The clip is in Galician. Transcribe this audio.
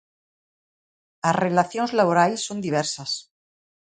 As relacións laborais son diversas.